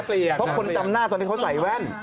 เพราะคนจำหน้าตอนนี้เขาใส่แว่น